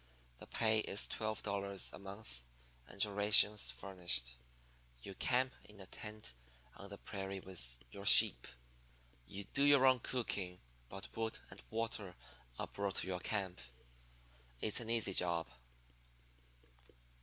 The pay is twelve dollars a month and your rations furnished. You camp in a tent on the prairie with your sheep. You do your own cooking, but wood and water are brought to your camp. It's an easy job.'